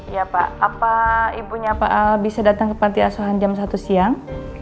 iya pak apa ibunya pak al bisa datang ke panti asuhan jam satu siang